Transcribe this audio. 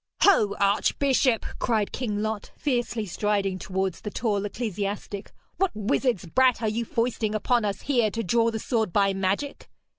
'Ho, archbishop!' cried King Lot, fiercely striding towards the tall ecclesiastic, 'what wizard's brat are you foisting upon us here to draw the sword by magic?'